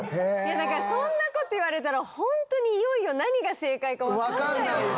そんな事言われたらホントにいよいよ何が正解かわかんないです。